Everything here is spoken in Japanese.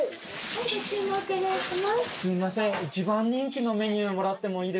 すみません。